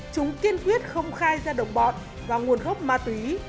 chúng kiên quyết không khai ra đồng bọn và nguồn gốc ma túy